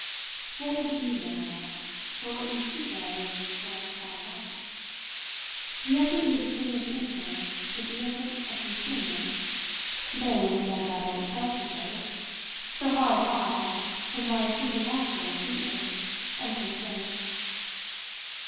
"What would it be, then," I asked, "but what you speak of as what I've 'found out'? The effort you distinguish in her is the effort of concealment vain, as I gather it strikes you both, so far as I, in my supernatural acuteness, am concerned."